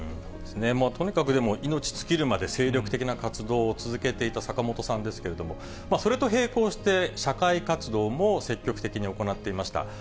とにかくでも命尽きるまで精力的な活動を続けていた坂本さんですけれども、それと並行して、社会活動も積極的に行っていました。